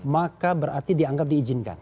maka berarti dianggap diizinkan